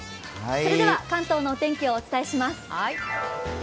それでは関東のお天気をお伝えします。